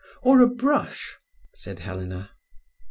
"Or a brush," said Helena.